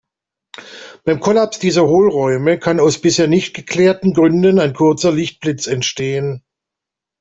Beim Kollaps dieser Hohlräume kann aus bisher nicht geklärten Gründen ein kurzer Lichtblitz entstehen.